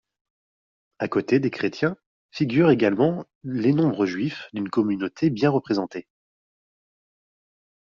À côté des chrétiens figurent également les nombreux juifs d'une communauté bien représentée.